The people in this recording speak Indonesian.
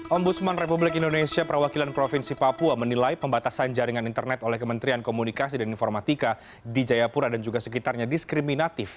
ombudsman republik indonesia perwakilan provinsi papua menilai pembatasan jaringan internet oleh kementerian komunikasi dan informatika di jayapura dan juga sekitarnya diskriminatif